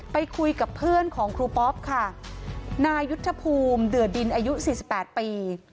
ไปคุยกับเพื่อนของครูปอ๊อปค่ะนายุทธภูมิเดือดินอายุ๔๘ปี